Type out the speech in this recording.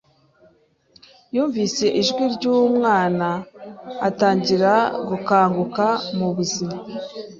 yumvise ijwi ryumwana atangira gukanguka mubuzima